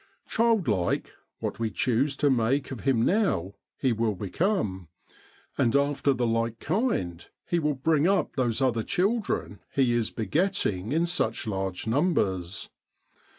Childlike, what we choose to mae of him now, he will become; and after the like kind he will bring up those other children he is begetting in such large numbers.